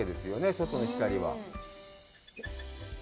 外の光は。